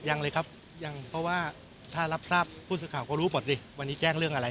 ยังเลยครับยังเพราะว่าถ้ารับทราบผู้สื่อข่าวก็รู้หมดสิวันนี้แจ้งเรื่องอะไร